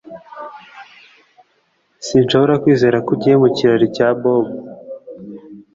Sinshobora kwizera ko ugiye mu kirori cya Bobo